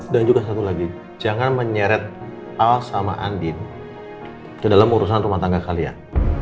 juga satu lagi jangan menyeret al sama andin ke dalam urusan rumah tangga kalian